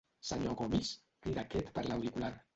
Senyor Gomis? —crida aquest per l'auricular.